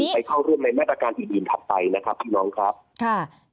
ไปเข้าร่วมในมาตรการอื่นอื่นถัดไปนะครับพี่น้องครับค่ะ